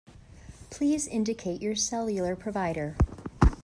Please indicate your cellular provider.